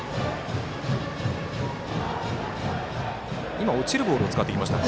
今、落ちるボールを使ってきましたか？